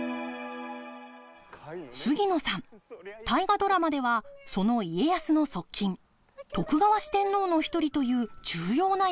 杉野さん「大河ドラマ」ではその家康の側近徳川四天王の一人という重要な役どころです。